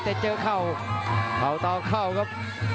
แต่เจอเข่าเข่าต่อเข่าครับ